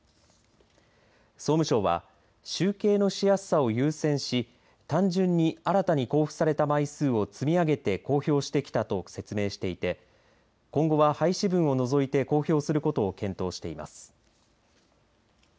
総務省は集計のしやすさを優先し単純に、新たに交付された枚数を積み上げて公表してきたと説明していて今後は廃止分を除いて公表することを検討しています。